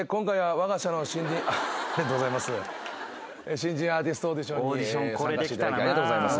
新人アーティストオーディションに参加していただいてありがとうございます。